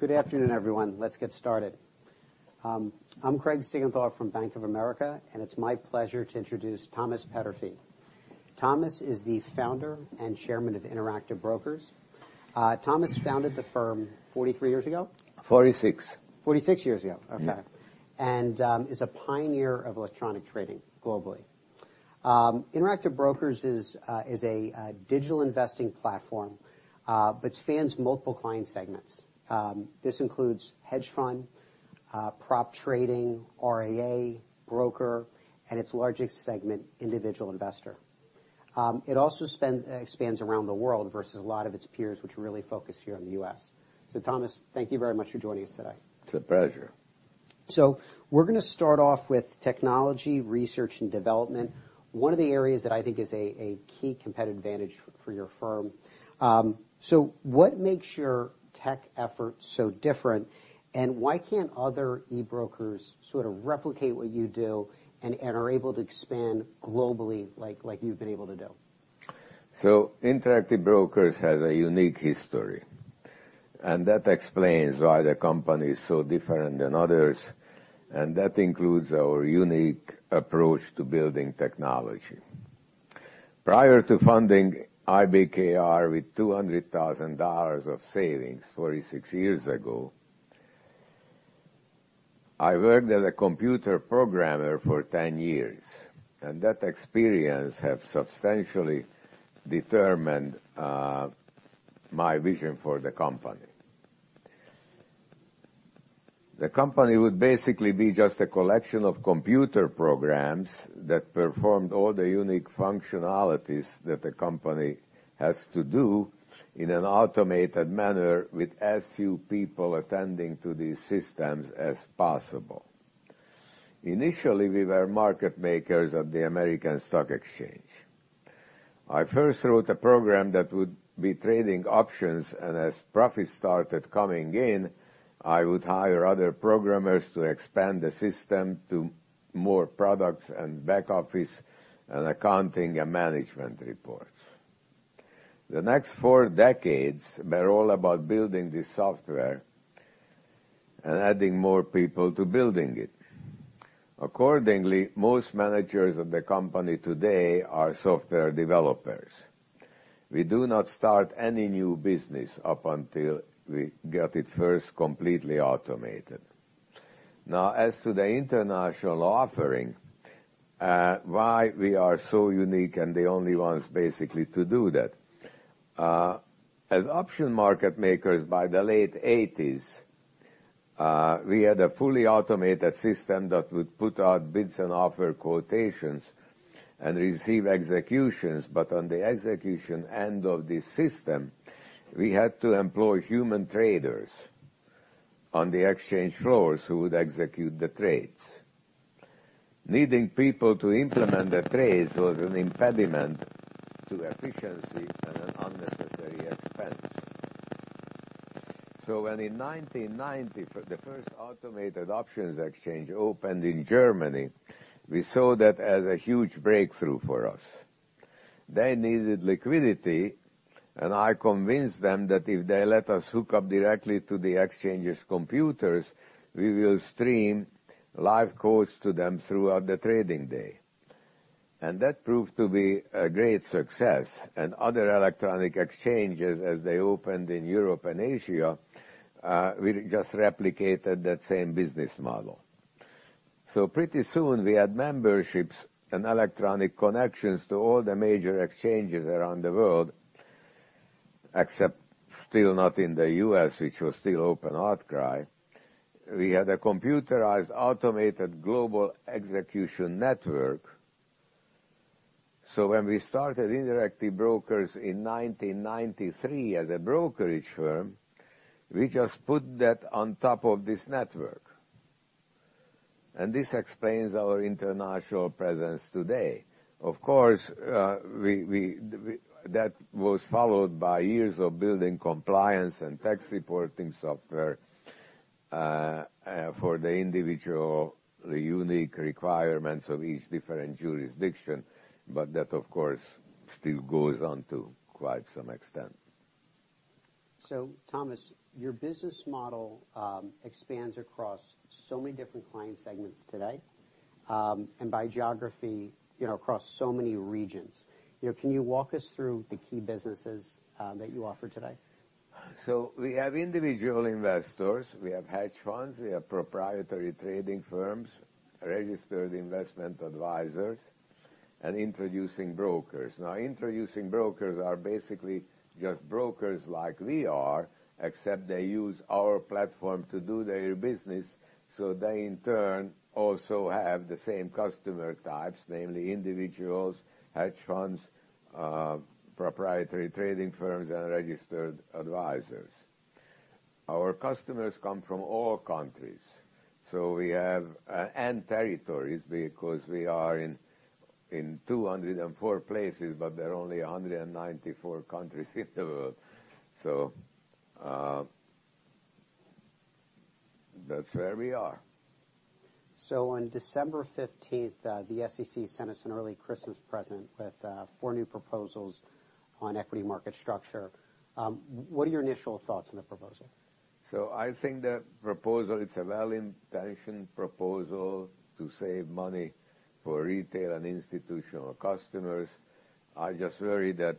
Good afternoon, everyone. Let's get started. I'm Craig Siegenthaler from Bank of America. It's my pleasure to introduce Thomas Peterffy. Thomas is the Founder and Chairman of Interactive Brokers. Thomas founded the firm 43 years ago. 46. 46 years ago. Okay. is a pioneer of electronic trading globally. Interactive Brokers is a digital investing platform which spans multiple client segments. This includes hedge fund, prop trading, RIA, broker, and its largest segment, individual investor. It also expands around the world versus a lot of its peers, which really focus here in the US. Thomas, thank you very much for joining us today. It's a pleasure. We're gonna start off with technology, research and development, one of the areas that I think is a key competitive advantage for your firm. What makes your tech efforts so different, and why can't other e-brokers sort of replicate what you do and are able to expand globally like you've been able to do? Interactive Brokers has a unique history, and that explains why the company is so different than others, and that includes our unique approach to building technology. Prior to founding IBKR with $200,000 of savings 46 years ago, I worked as a computer programmer for 10 years, and that experience have substantially determined my vision for the company. The company would basically be just a collection of computer programs that performed all the unique functionalities that the company has to do in an automated manner with as few people attending to these systems as possible. Initially, we were market makers at the American Stock Exchange. I first wrote a program that would be trading options, and as profits started coming in, I would hire other programmers to expand the system to more products and back office and accounting and management reports. The next four decades were all about building this software and adding more people to building it. Accordingly, most managers of the company today are software developers. We do not start any new business up until we get it first completely automated. As to the international offering, why we are so unique and the only ones basically to do that. As option market makers by the late eighties, we had a fully automated system that would put out bids and offer quotations and receive executions, but on the execution end of the system, we had to employ human traders on the exchange floors who would execute the trades. Needing people to implement the trades was an impediment to efficiency and an unnecessary expense. When in 1990 the first automated options exchange opened in Germany, we saw that as a huge breakthrough for us. They needed liquidity, I convinced them that if they let us hook up directly to the exchange's computers, we will stream live quotes to them throughout the trading day. That proved to be a great success. Other electronic exchanges, as they opened in Europe and Asia, we just replicated that same business model. Pretty soon we had memberships and electronic connections to all the major exchanges around the world, except still not in the U.S., which was still open outcry. We had a computerized, automated global execution network. When we started Interactive Brokers in 1993 as a brokerage firm, we just put that on top of this network. This explains our international presence today. Of course, we. That was followed by years of building compliance and tax reporting software, for the individual unique requirements of each different jurisdiction. That, of course, still goes on to quite some extent. Thomas, your business model, expands across so many different client segments today, and by geography, you know, across so many regions. You know, can you walk us through the key businesses that you offer today? We have individual investors, we have hedge funds, we have proprietary trading firms, registered investment advisors, and introducing brokers. Now, introducing brokers are basically just brokers like we are, except they use our platform to do their business, so they in turn also have the same customer types, namely individuals, hedge funds, proprietary trading firms, and registered advisors. Our customers come from all countries, and territories because we are in 204 places, but there are only 194 countries in the world. That's where we are. On December 15th, the SEC sent us an early Christmas present with 4 new proposals on equity market structure. What are your initial thoughts on the proposal? I think the proposal, it's a well-intentioned proposal to save money for retail and institutional customers. I just worry that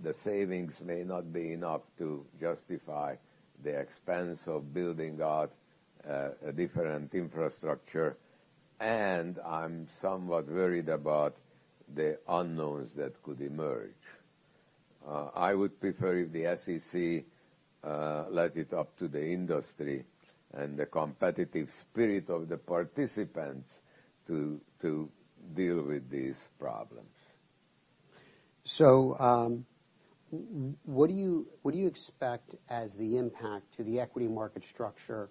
the savings may not be enough to justify the expense of building out a different infrastructure, and I'm somewhat worried about the unknowns that could emerge. I would prefer if the SEC left it up to the industry and the competitive spirit of the participants to deal with these problems. What do you, what do you expect as the impact to the equity market structure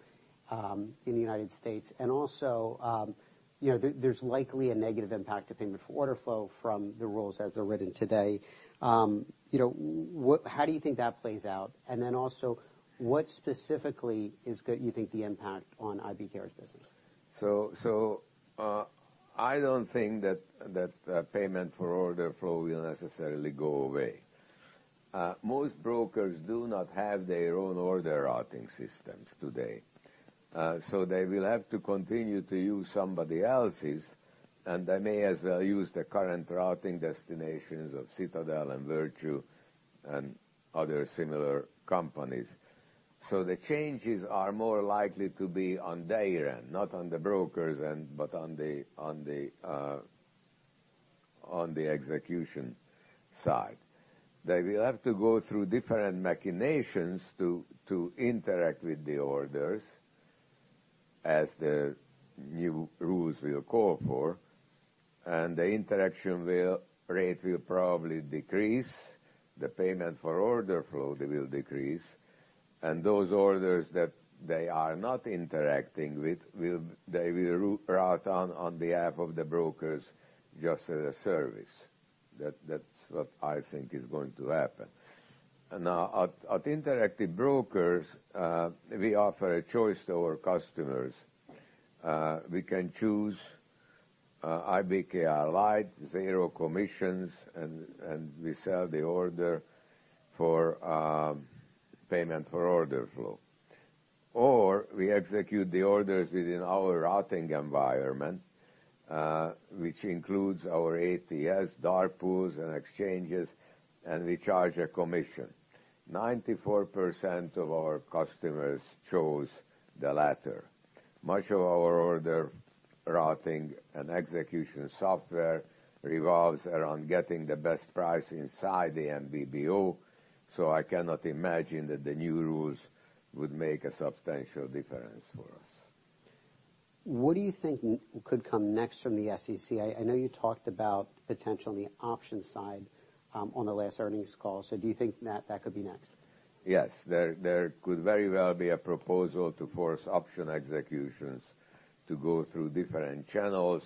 in the United States? Also, you know, there's likely a negative impact of payment for order flow from the rules as they're written today. You know, what how do you think that plays out? Then also, what specifically is you think the impact on IBKR's business? I don't think that payment for order flow will necessarily go away. Most brokers do not have their own order routing systems today. They will have to continue to use somebody else's, and they may as well use the current routing destinations of Citadel and Virtu and other similar companies. The changes are more likely to be on their end, not on the brokers' end, but on the execution side. They will have to go through different machinations to interact with the orders as the new rules will call for, and the interaction rate will probably decrease. The payment for order flow, they will decrease. Those orders that they are not interacting with they will route on behalf of the brokers just as a service. That's what I think is going to happen. At Interactive Brokers, we offer a choice to our customers. We can choose IBKR Lite, zero commissions, and we sell the order for payment for order flow. We execute the orders within our routing environment, which includes our ATS, dark pools, and exchanges, and we charge a commission. 94% of our customers chose the latter. Much of our order routing and execution software revolves around getting the best price inside the NBBO. I cannot imagine that the new rules would make a substantial difference for us. What do you think could come next from the SEC? I know you talked about potentially the options side, on the last earnings call. Do you think that could be next? Yes. There could very well be a proposal to force option executions to go through different channels.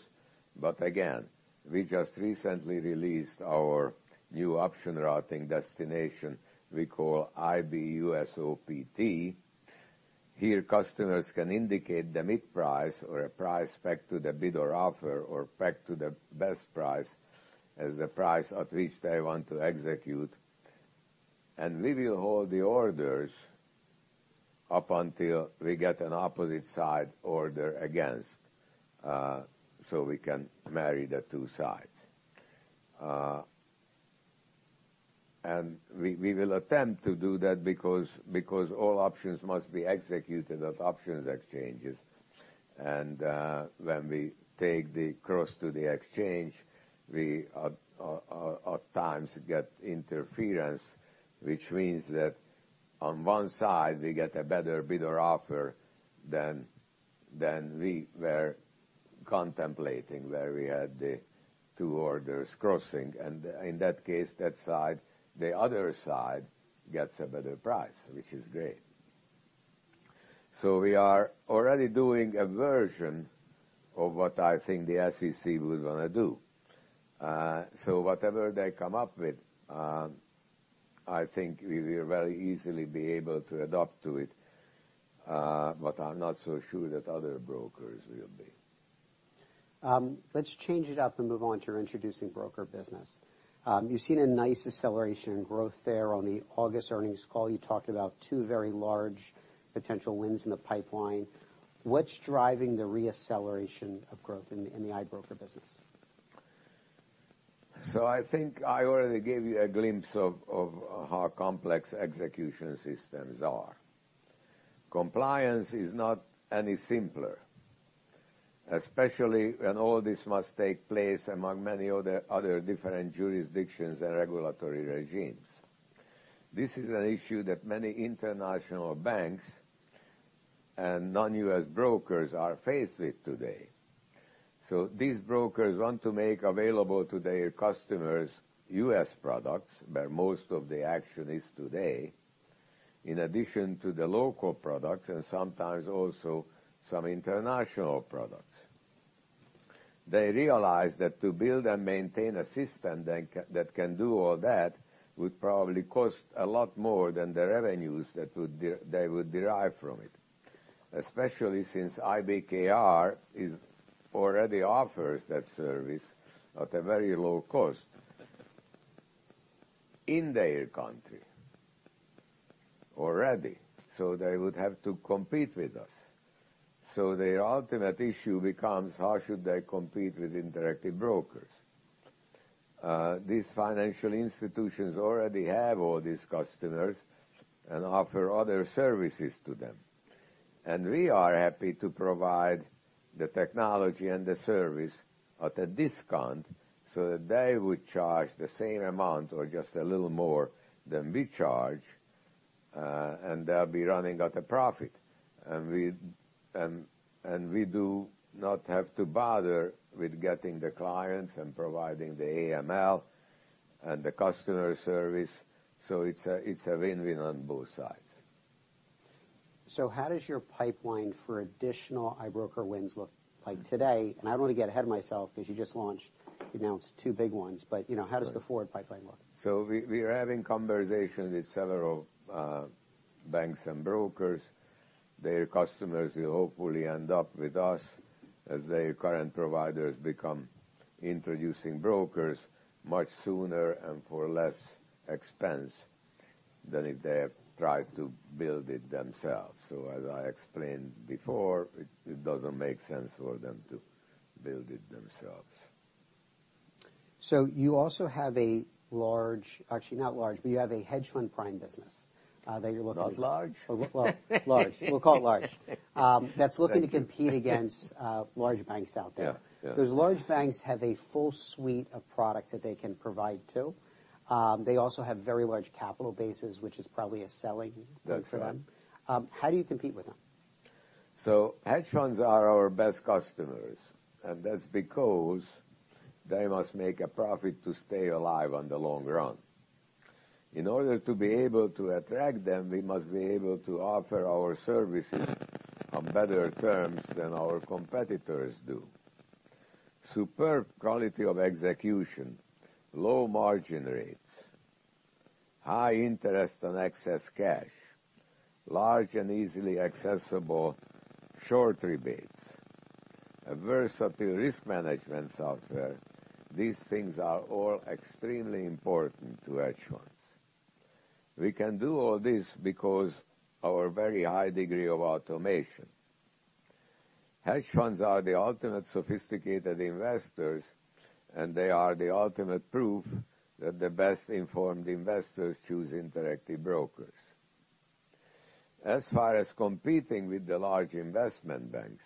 Again, we just recently released our new option routing destination we call IBUSOPT. Here, customers can indicate the mid-price or a price back to the bid or offer or back to the best price as the price at which they want to execute. We will hold the orders up until we get an opposite side order against, so we can marry the two sides. We will attempt to do that because all options must be executed at options exchanges. When we take the cross to the exchange, we at times get interference, which means that on one side we get a better bid or offer than we were contemplating where we had the two orders crossing. In that case, the other side gets a better price, which is great. We are already doing a version of what I think the SEC was going to do. Whatever they come up with, I think we will very easily be able to adapt to it, I'm not so sure that other brokers will be. Let's change it up and move on to your Introducing Broker business. You've seen a nice acceleration in growth there. On the August earnings call, you talked about two very large potential wins in the pipeline. What's driving the re-acceleration of growth in the, in the Introducing Broker business? I think I already gave you a glimpse of how complex execution systems are. Compliance is not any simpler, especially when all this must take place among many other different jurisdictions and regulatory regimes. This is an issue that many international banks and non-U.S. brokers are faced with today. These brokers want to make available to their customers U.S. products, where most of the action is today, in addition to the local products and sometimes also some international products. They realize that to build and maintain a system that can do all that would probably cost a lot more than the revenues that they would derive from it. Especially since IBKR already offers that service at a very low cost in their country already, so they would have to compete with us. The ultimate issue becomes how should they compete with Interactive Brokers. These financial institutions already have all these customers and offer other services to them, and we are happy to provide the technology and the service at a discount so that they would charge the same amount or just a little more than we charge, and they'll be running at a profit. We do not have to bother with getting the clients and providing the AML and the customer service. It's a win-win on both sides. How does your pipeline for additional IBroker wins look like today? I don't wanna get ahead of myself 'cause you just launched, you announced two big ones. You know. Right. How does the forward pipeline look? We are having conversations with several banks and brokers. Their customers will hopefully end up with us as their current providers become introducing brokers much sooner and for less expense than if they have tried to build it themselves. As I explained before, it doesn't make sense for them to build it themselves. you also have Actually, not large, but you have a hedge fund prime business, that you're looking-. Not large? Well, large. We'll call it large. That's looking to compete against large banks out there. Yeah, yeah. Those large banks have a full suite of products that they can provide too. They also have very large capital bases, which is probably a selling point for them. That's right. How do you compete with them? Hedge funds are our best customers, and that's because they must make a profit to stay alive on the long run. In order to be able to attract them, we must be able to offer our services on better terms than our competitors do. Superb quality of execution, low margin rates, high interest on excess cash, large and easily accessible short rebates, a versatile risk management software. These things are all extremely important to hedge funds. We can do all this because our very high degree of automation. Hedge funds are the ultimate sophisticated investors, and they are the ultimate proof that the best-informed investors choose Interactive Brokers. As far as competing with the large investment banks,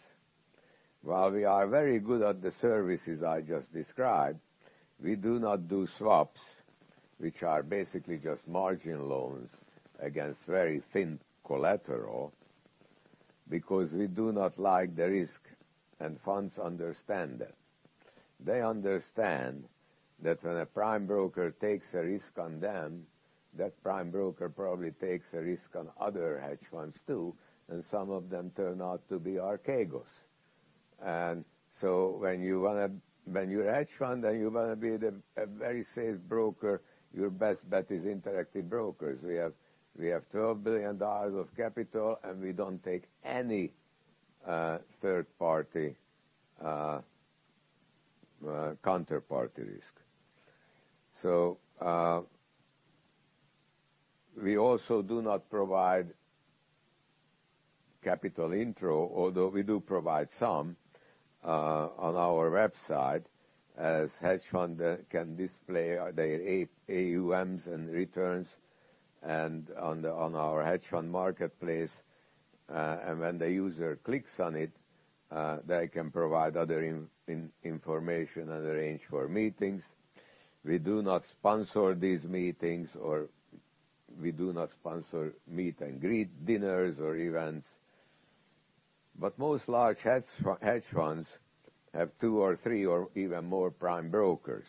while we are very good at the services I just described, we do not do swaps, which are basically just margin loans against very thin collateral because we do not like the risk, and funds understand that. They understand that when a prime broker takes a risk on them, that prime broker probably takes a risk on other hedge funds too, and some of them turn out to be Archegos. When you're a hedge fund and you wanna be a very safe broker, your best bet is Interactive Brokers. We have $12 billion of capital, and we don't take any third-party counterparty risk. We also do not provide capital introduction, although we do provide some on our website, as hedge fund can display their AUMs and returns and on our Hedge Fund Marketplace. And when the user clicks on it, they can provide other information and arrange for meetings. We do not sponsor these meetings or we do not sponsor meet and greet dinners or events. Most large hedge funds have two or three or even more prime brokers,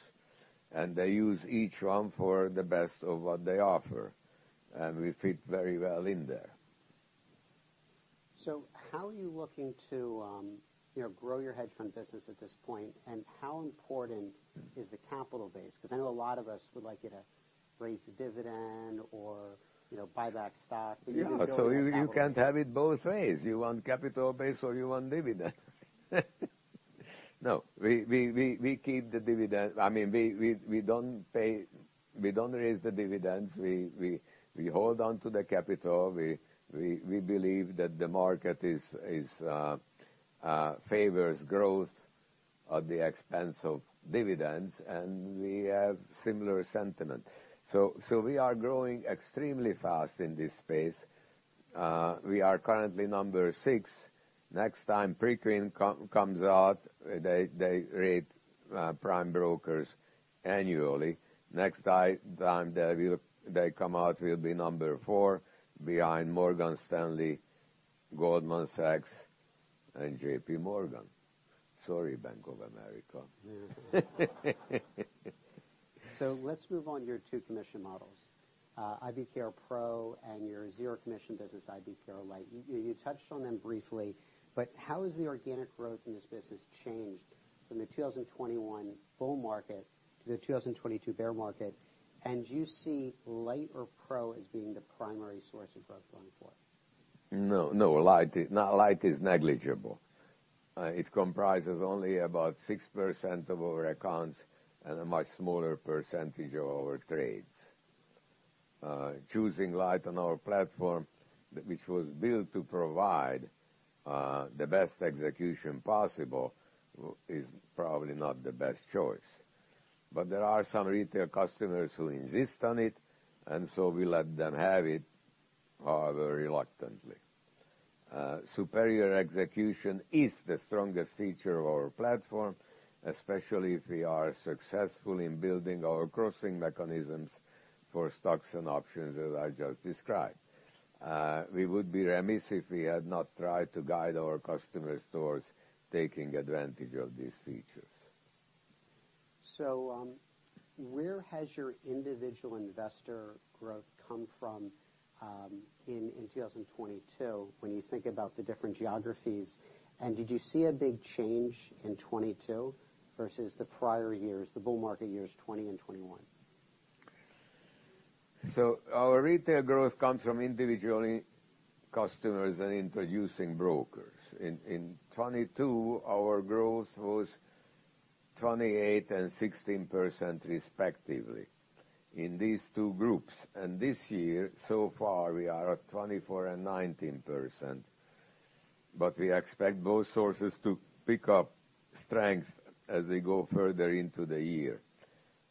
and they use each one for the best of what they offer, and we fit very well in there. How are you looking to, you know, grow your hedge fund business at this point, and how important is the capital base? I know a lot of us would like you to raise the dividend or, you know, buy back stock. We know how that works. You can't have it both ways. You want capital base or you want dividend? No. We keep the dividend. I mean, we don't raise the dividends. We hold on to the capital. We believe that the market is favors growth at the expense of dividends, and we have similar sentiment. We are growing extremely fast in this space. We are currently number six. Next time Preqin comes out, they rate prime brokers annually. Next time they come out, we'll be number four behind Morgan Stanley, Goldman Sachs, and JPMorgan. Sorry, Bank of America. Let's move on to your two commission models, IBKR Pro and your zero commission business IBKR Lite. You touched on them briefly, but how has the organic growth in this business changed from the 2021 bull market to the 2022 bear market? Do you see Lite or Pro as being the primary source of growth going forward? No, no. Lite is negligible. It comprises only about 6% of our accounts and a much smaller percentage of our trades. Choosing Lite on our platform, which was built to provide the best execution possible, is probably not the best choice. There are some retail customers who insist on it, and so we let them have it, however reluctantly. Superior execution is the strongest feature of our platform, especially if we are successful in building our crossing mechanisms for stocks and options, as I just described. We would be remiss if we had not tried to guide our customers towards taking advantage of these features. Where has your individual investor growth come from, in 2022 when you think about the different geographies? Did you see a big change in 2022 versus the prior years, the bull market years 2020 and 2021? Our retail growth comes from individual customers and introducing brokers. In 2022, our growth was 28% and 16% respectively in these two groups. This year, so far, we are at 24% and 19%. We expect both sources to pick up strength as we go further into the year.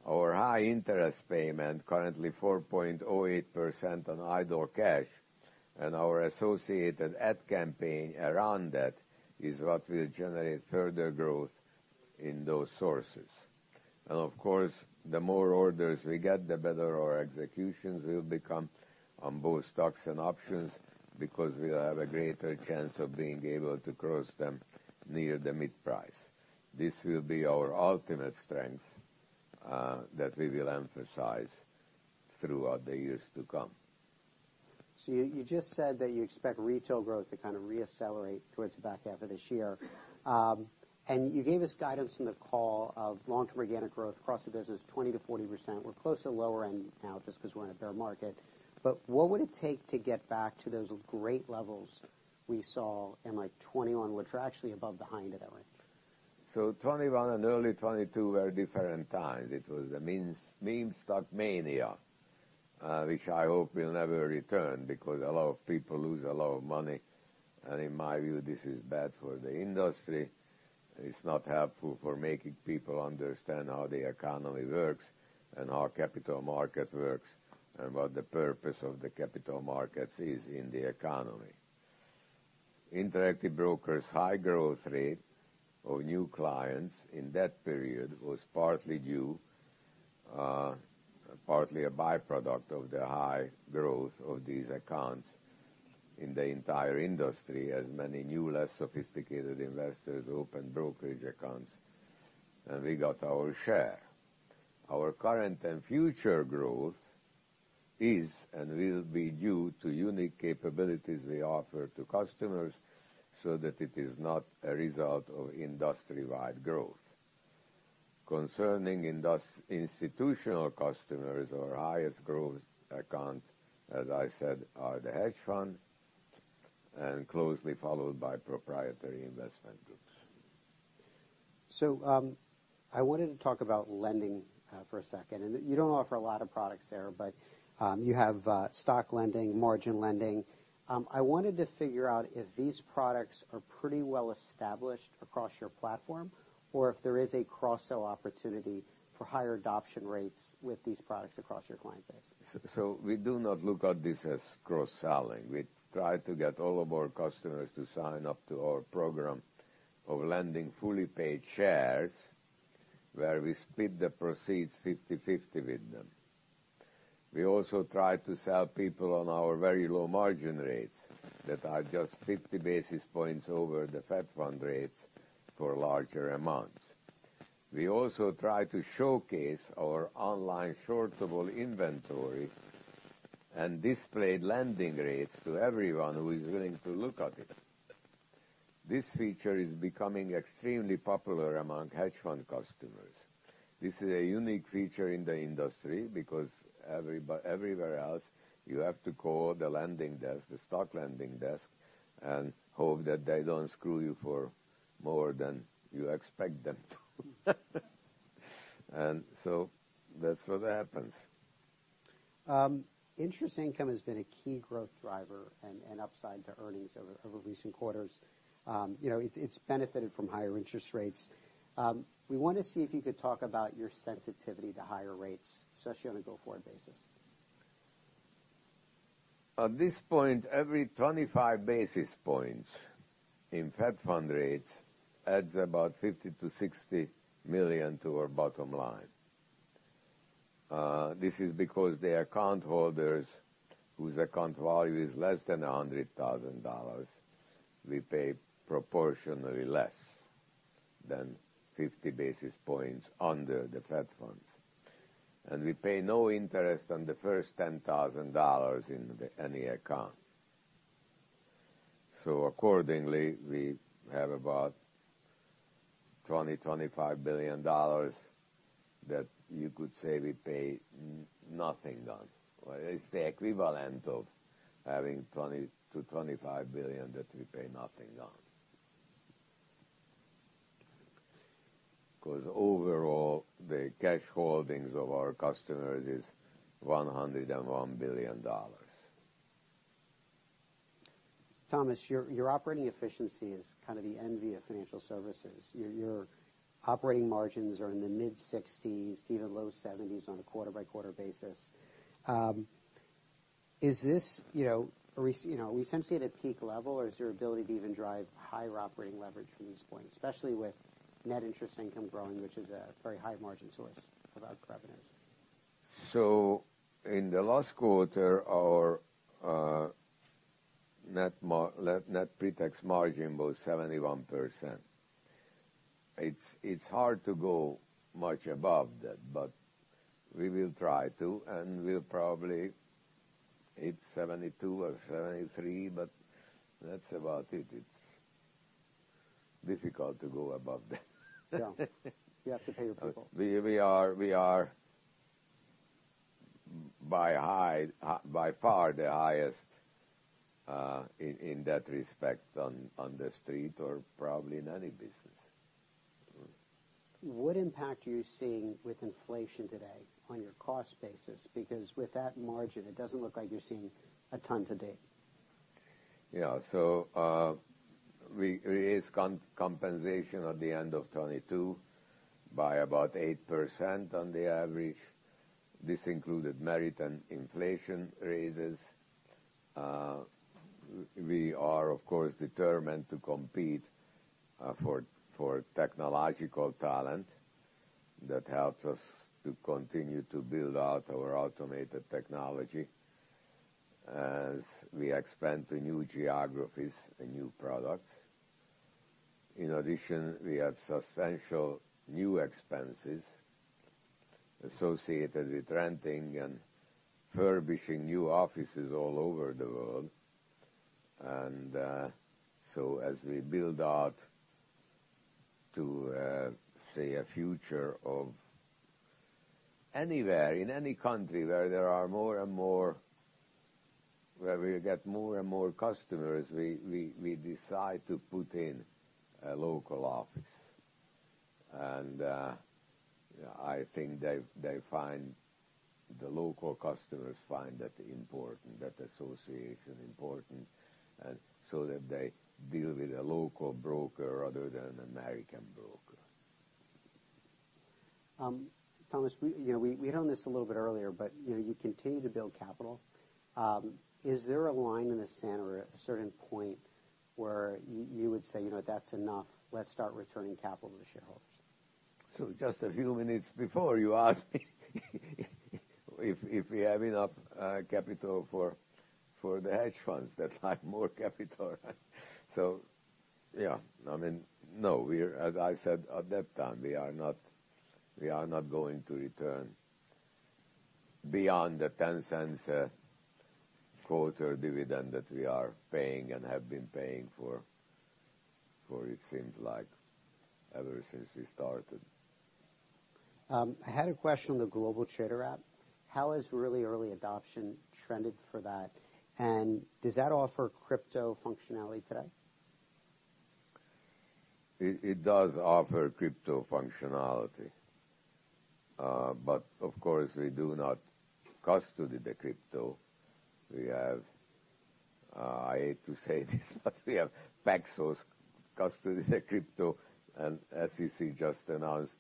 Our high interest payment, currently 4.08% on idle cash, and our associated ad campaign around that is what will generate further growth in those sources. Of course, the more orders we get, the better our executions will become on both stocks and options, because we'll have a greater chance of being able to cross them near the mid-price. This will be our ultimate strength that we will emphasize throughout the years to come. You just said that you expect retail growth to kind of re-accelerate towards the back half of this year. You gave us guidance in the call of long-term organic growth across the business, 20%-40%. We're close to the lower end now just 'cause we're in a bear market. What would it take to get back to those great levels we saw in, like, 2021, which were actually above the high of that range? 2021 and early 2022 were different times. It was the meme stock mania, which I hope will never return because a lot of people lose a lot of money. In my view, this is bad for the industry. It's not helpful for making people understand how the economy works and how capital market works and what the purpose of the capital markets is in the economy. Interactive Brokers' high growth rate of new clients in that period was partly due, partly a by-product of the high growth of these accounts in the entire industry as many new, less sophisticated investors opened brokerage accounts, and we got our share. Our current and future growth is and will be due to unique capabilities we offer to customers so that it is not a result of industry-wide growth. Concerning institutional customers, our highest growth account, as I said, are the hedge funds and closely followed by proprietary investment groups. I wanted to talk about lending for a second. You don't offer a lot of products there, but you have stock lending, margin lending. I wanted to figure out if these products are pretty well established across your platform or if there is a cross-sell opportunity for higher adoption rates with these products across your client base. We do not look at this as cross-selling. We try to get all of our customers to sign up to our program of lending fully paid shares where we split the proceeds 50/50 with them. We also try to sell people on our very low margin rates that are just 50 basis points over the federal funds rate for larger amounts. We also try to showcase our online shortable inventory and display lending rates to everyone who is willing to look at it. This feature is becoming extremely popular among hedge fund customers. This is a unique feature in the industry because everywhere else you have to call the lending desk, the stock lending desk, and hope that they don't screw you for more than you expect them to. That's what happens. Interest income has been a key growth driver and upside to earnings over recent quarters. It's benefited from higher interest rates. We wanna see if you could talk about your sensitivity to higher rates, especially on a go-forward basis. At this point, every 25 basis points in federal funds rate adds about $50 million-$60 million to our bottom line. This is because the account holders whose account value is less than $100,000. We pay proportionally less than 50 basis points under the fed funds, and we pay no interest on the first $10,000 in any account. Accordingly, we have about $20 billion-$25 billion that you could say we pay nothing on. Well, it's the equivalent of having $20 billion-$25 billion that we pay nothing on. 'Cause overall, the cash holdings of our customers is $101 billion. Thomas, your operating efficiency is kind of the envy of financial services. Your operating margins are in the mid-60s to even low 70s on a quarter-by-quarter basis. Is this, you know, are we essentially at a peak level or is your ability to even drive higher operating leverage from this point, especially with net interest income growing, which is a very high margin source of our revenues? In the last quarter, our net pre-tax margin was 71%. It's hard to go much above that, but we will try to, and we'll probably hit 72% or 73%, but that's about it. It's difficult to go above that. Yeah. You have to pay your people. We are by high, by far the highest in that respect on the street or probably in any business. What impact are you seeing with inflation today on your cost basis? With that margin, it doesn't look like you're seeing a ton to date. Yeah. We raised compensation at the end of 2022 by about 8% on the average. This included merit and inflation raises. We are of course determined to compete for technological talent that helps us to continue to build out our automated technology as we expand to new geographies and new products. In addition, we have substantial new expenses associated with renting and furnishing new offices all over the world. As we build out to say a future of anywhere in any country where we get more and more customers, we decide to put in a local office. I think the local customers find that important, that association important, that they deal with a local broker rather than an American broker. Thomas, we, you know, we hit on this a little bit earlier, you know, you continue to build capital. Is there a line in the sand or a certain point where you would say, "You know what? That's enough. Let's start returning capital to shareholders? Just a few minutes before you asked me if we have enough capital for the hedge funds that have more capital. Yeah. I mean, no. As I said at that time, we are not going to return beyond the $0.10 quarter dividend that we are paying and have been paying for it seems like ever since we started. I had a question on the GlobalTrader app. How has really early adoption trended for that? Does that offer crypto functionality today? It does offer crypto functionality. But of course we do not custody the crypto. We have, I hate to say this, but we have Paxos custody the crypto, and SEC just announced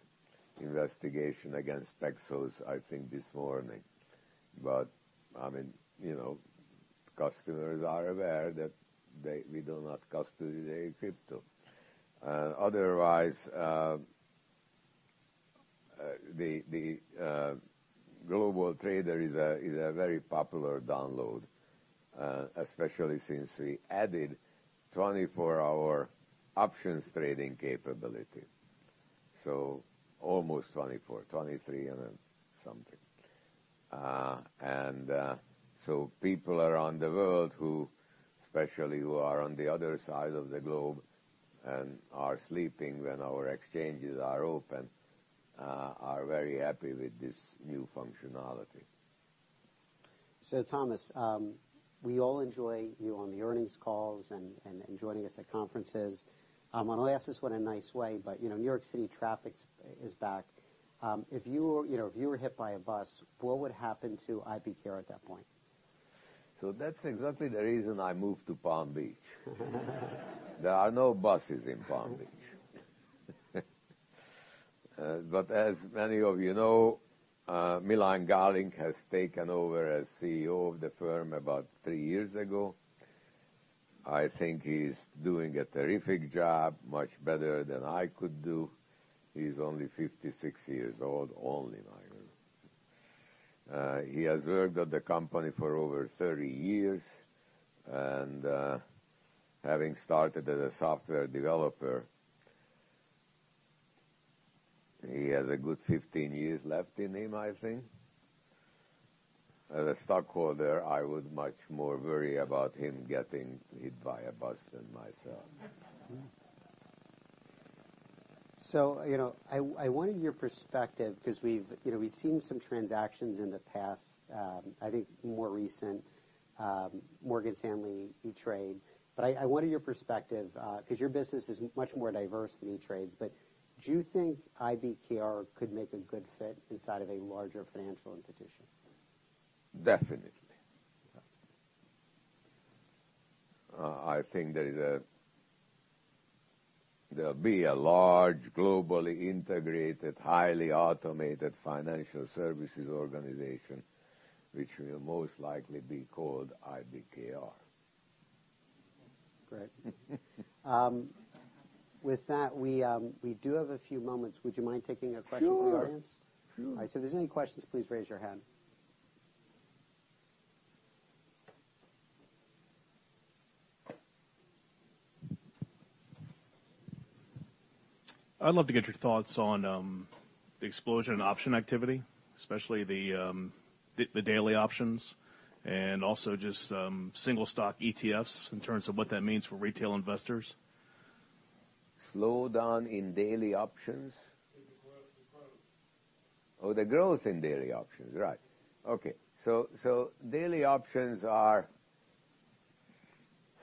investigation against Paxos, I think this morning. I mean, you know, customers are aware that we do not custody the crypto. Otherwise, the GlobalTrader is a very popular download, especially since we added 24-hour options trading capability. Almost 24, 23 and then something. People around the world who, especially who are on the other side of the globe and are sleeping when our exchanges are open, are very happy with this new functionality. Thomas, we all enjoy you on the earnings calls and joining us at conferences. I'm gonna ask this one in a nice way, but, you know, New York City traffic is back. If you were, you know, if you were hit by a bus, what would happen to IBKR at that point? That's exactly the reason I moved to Palm Beach. There are no buses in Palm Beach. But as many of you know, Milan Galik has taken over as CEO of the firm about three years ago. I think he's doing a terrific job, much better than I could do. He's only 56 years old. Only, mind you. He has worked at the company for over 30 years, and, having started as a software developer, he has a good 15 years left in him, I think. As a stockholder, I would much more worry about him getting hit by a bus than myself. you know, I wanted your perspective 'cause we've, you know, we've seen some transactions in the past, I think more recent, Morgan Stanley E*TRADE. I wanted your perspective, 'cause your business is much more diverse than E*TRADE's, but do you think IBKR could make a good fit inside of a larger financial institution? Definitely. Yeah. I think there'll be a large, globally integrated, highly automated financial services organization which will most likely be called IBKR. Great. With that, we do have a few moments. Would you mind taking a question from the audience? Sure. Sure. All right, if there's any questions, please raise your hand. I'd love to get your thoughts on the explosion in option activity, especially the daily options and also just single stock ETFs in terms of what that means for retail investors. Slowdown in daily options? In the growth and products. The growth in daily options. Right. Okay. Daily options are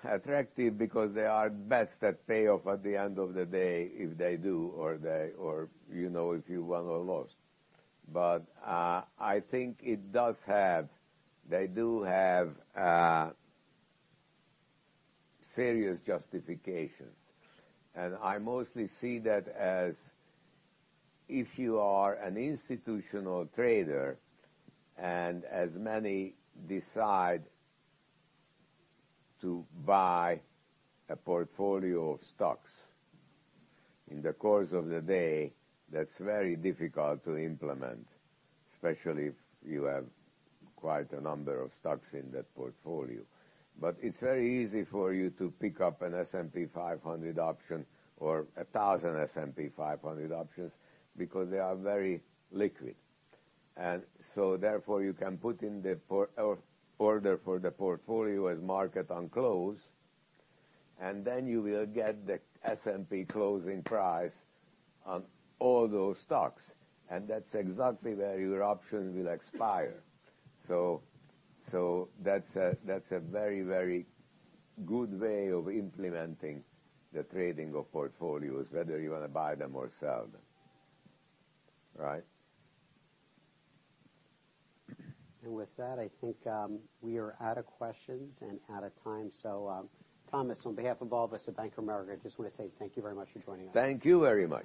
attractive because they are bets that pay off at the end of the day if they do or, you know, if you won or lost. I think they do have a serious justification. I mostly see that as if you are an institutional trader and as many decide to buy a portfolio of stocks in the course of the day, that's very difficult to implement, especially if you have quite a number of stocks in that portfolio. It's very easy for you to pick up an S&P 500 option or 1,000 S&P 500 options because they are very liquid. Therefore you can put in the order for the portfolio as market on close. You will get the S&P closing price on all those stocks. That's exactly where your options will expire. So that's a very good way of implementing the trading of portfolios, whether you wanna buy them or sell them. Right? With that, I think, we are out of questions and out of time. Thomas, on behalf of all of us at Bank of America, I just wanna say thank you very much for joining us. Thank you very much.